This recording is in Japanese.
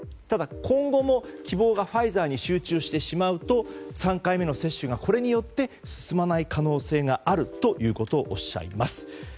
ただ、今後も希望がファイザーに集中してしまうと３回目接種がこれによって進まない可能性があるということをおっしゃいます。